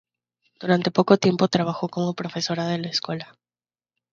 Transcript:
Durante poco tiempo trabajó como profesora en la escuela.